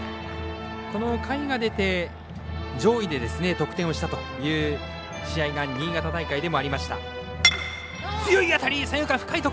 下位が出て、上位で得点をしたという試合が新潟大会でもありました。